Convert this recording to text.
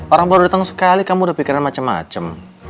orang baru dateng sekali kamu udah pikirin macem macem